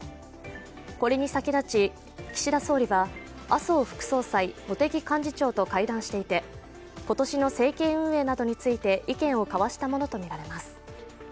これに先立ち岸田総理は麻生副総裁、茂木幹事長と会談していて今年の政権運営などについて意見を交わしたものとみられます。